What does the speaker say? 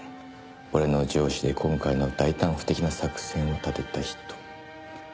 俺の上司で今回の大胆不敵な作戦を立てた人。